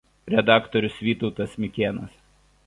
Redaktorius Vytautas Mikėnas.